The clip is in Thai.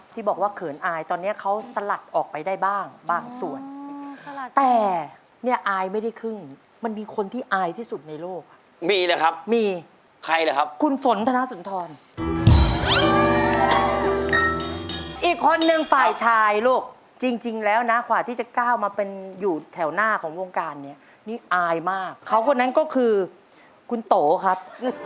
ที่บอกว่าเขินอายตอนนี้เขาสลัดออกไปได้บ้างบางส่วนแต่เนี่ยอายไม่ได้ครึ่งมันมีคนที่อายที่สุดในโลกมีนะครับมีใครล่ะครับคุณฝนธนสุนทรอีกคนนึงฝ่ายชายลูกจริงแล้วนะกว่าที่จะก้าวมาเป็นอยู่แถวหน้าของวงการเนี่ยนี่อายมากเขาคนนั้นก็คือคุณโตครับ